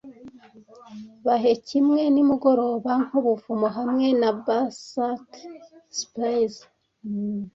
Bahe kimwe, nimugoroba, nkubuvumo hamwe na basalt spiers.